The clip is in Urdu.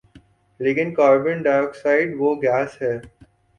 لیکن کاربن ڈائی آکسائیڈ وہ گیس ہے